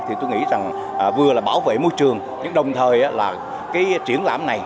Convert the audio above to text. thì tôi nghĩ rằng vừa là bảo vệ môi trường nhưng đồng thời là cái triển lãm này